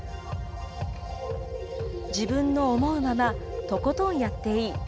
自分の思うまま、とことんやっていい。